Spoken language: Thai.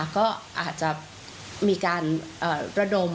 ก็อาจจะมีการระดม